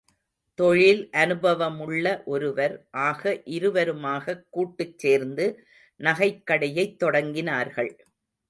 தொழில் அனுபவமுள்ள ஒருவர், ஆக இருவருமாகக் கூட்டுச் சேர்ந்து நகைக்கடையைத் தொடங்கினார்கள்.